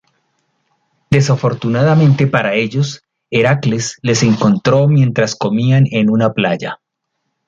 Desafortunadamente para ellos, Heracles les encontró mientras comían en una playa.